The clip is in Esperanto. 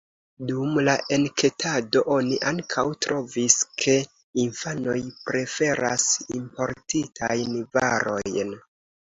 Dum la enketado oni ankaŭ trovis, ke infanoj preferas importitajn varojn.